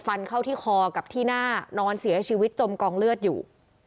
ฟันเข้าที่คอกับที่หน้านอนเสียชีวิตจมกองเลือดอยู่